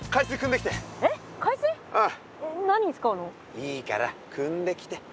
いいからくんできて。